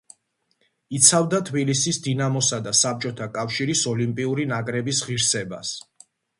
იცავდა თბილისის „დინამოსა“ და საბჭოთა კავშირის ოლიმპიური ნაკრების ღირსებას.